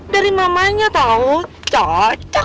dari mamanya tau cocok